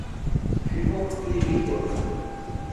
Fi 'uexu f'ı yirik'ue!